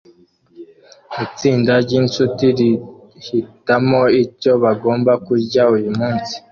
Itsinda ryinshuti rihitamo icyo bagomba kurya uyumunsi